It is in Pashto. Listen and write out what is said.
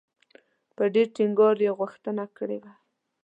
په ډېر ټینګار یې غوښتنه کړې وه.